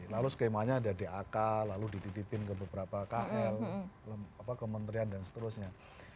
lalu skemanya ada dak lalu dititipin ke beberapa kl kementerian dan seterusnya